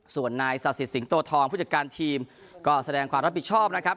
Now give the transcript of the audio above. ส่วนนายศักดิ์สิทธิสิงโตทองผู้จัดการทีมก็แสดงความรับผิดชอบนะครับ